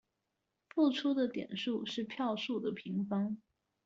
付出的點數是票數的平方